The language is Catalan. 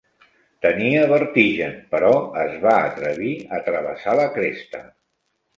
Tenia vertigen, però es va atrevir a travessar la cresta.